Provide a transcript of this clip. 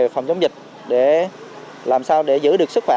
phòng chống dịch để làm sao để giữ được sức khỏe